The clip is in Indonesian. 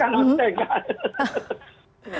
buarkan uceng kak